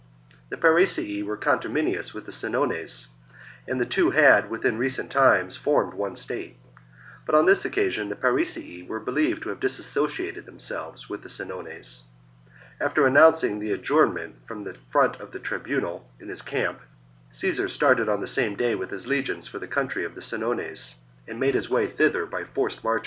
The Parisii were conterminous with the Senones, and the two had, within recent times, formed one state ; but on this occasion the Parisii were believed to have dissociated themselves from the Senones. After announcing the adjournment from the front of the tribunal in his camp, Caesar started on the same day with his legions for the country of the Senones, and made his way thither by forced marches.